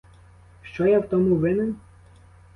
Що я в тому винен?